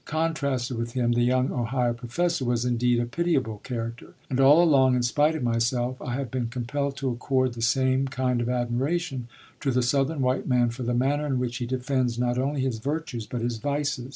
Contrasted with him, the young Ohio professor was indeed a pitiable character. And all along, in spite of myself, I have been compelled to accord the same kind of admiration to the Southern white man for the manner in which he defends not only his virtues, but his vices.